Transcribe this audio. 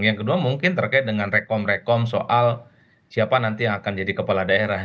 yang kedua mungkin terkait dengan rekom rekom soal siapa nanti yang akan jadi kepala daerah